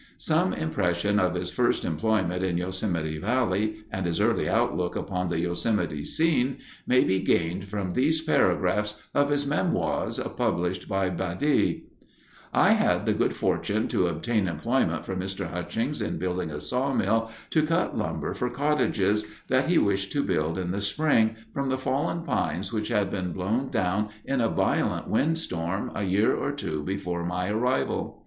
Some impression of his first employment in Yosemite Valley and his early outlook upon the Yosemite scene may be gained from these paragraphs of his memoirs published by Badè. "I had the good fortune to obtain employment from Mr. Hutchings in building a sawmill to cut lumber for cottages, that he wished to build in the spring, from the fallen pines which had been blown down in a violent wind storm a year or two before my arrival.